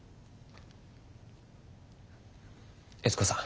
悦子さん。